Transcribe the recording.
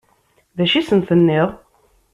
D acu i sen-tenniḍ?